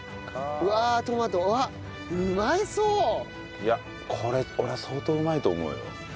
うわっうまそう！いやこれ俺は相当うまいと思うよ。